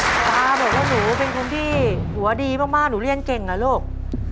คุณตาบอกว่าหนูเป็นคนที่หัวดีมากหนูเรียนเก่งเหรอลูก